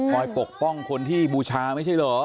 ปกป้องคนที่บูชาไม่ใช่เหรอ